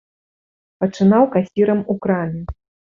Пачынаў касірам у краме.